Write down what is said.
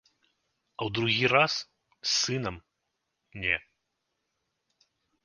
А ў другі раз, з сынам, не.